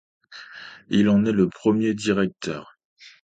Il en est le premier directeur.